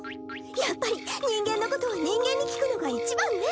やっぱり人間のことは人間に聞くのが一番ね！